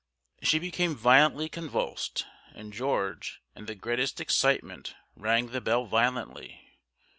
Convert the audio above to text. She became violently convulsed, and George, in the greatest excitement, rang the bell violently.